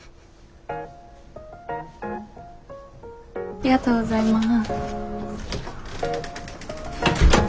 ありがとうございます。